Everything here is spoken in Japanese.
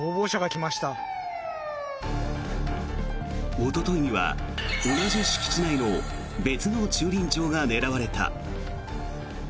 おとといには同じ敷地内の別の駐輪場が狙われた。